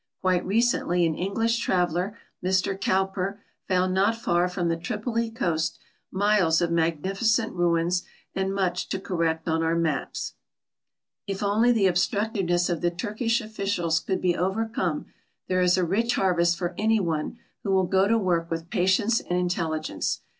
Quite recently an English traveler, Mr Cowper, found not far from the Tripoli coast miles of magnificent ruins and much to correct on our maps. If only the obstructiveness of the Turkish officials could be overcome, there is a rich harvest for any one who will go to work with patience and intelligence.